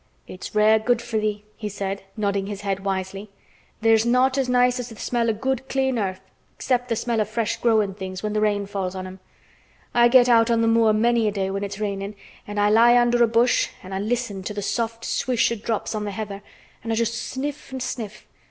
"It's rare good for thee," he said, nodding his head wisely. "There's naught as nice as th' smell o' good clean earth, except th' smell o' fresh growin' things when th' rain falls on 'em. I get out on th' moor many a day when it's rainin' an' I lie under a bush an' listen to th' soft swish o' drops on th' heather an' I just sniff an' sniff.